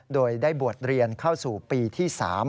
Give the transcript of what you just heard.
โดยได้บวชเรียนเข้าสู่ปีที่๓